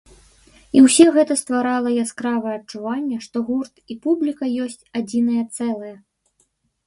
І ўсе гэта стварала яскравае адчуванне, што гурт і публіка ёсць адзінае цэлае.